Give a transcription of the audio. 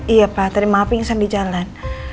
iya papa tadi mama pingsan di jalan